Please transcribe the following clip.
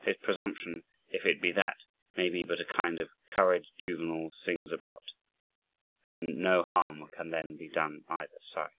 His presumption, if it be that, may be but a kind of courage juvenal sings about, and no harm can then be done either side.